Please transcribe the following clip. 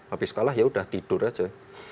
habis kalah ya sudah tidur saja